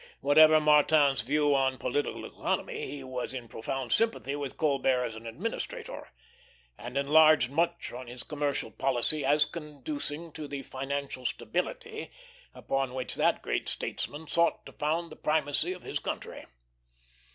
Whatever Martin's views on political economy, he was in profound sympathy with Colbert as an administrator, and enlarged much on his commercial policy as conducing to the financial stability upon which that great statesman sought to found the primacy of his country.